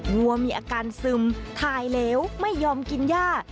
วัวมีอาการซึมถ่ายเหลวไม่ยอมกินย่า